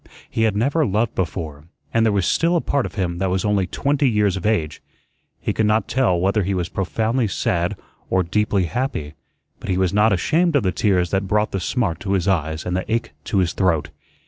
He had never loved before, and there was still a part of him that was only twenty years of age. He could not tell whether he was profoundly sad or deeply happy; but he was not ashamed of the tears that brought the smart to his eyes and the ache to his throat.